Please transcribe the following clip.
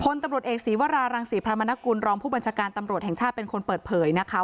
ตำรวจเอกศีวรารังศรีพระมนกุลรองผู้บัญชาการตำรวจแห่งชาติเป็นคนเปิดเผยนะคะ